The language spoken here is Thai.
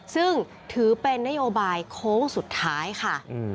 ซึ่งถือเป็นนโยบายโค้งสุดท้ายค่ะ